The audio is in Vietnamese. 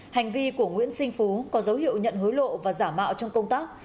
hành vi của nguyễn sinh phú có dấu hiệu nhận hối lộ và giả mạo trong công tác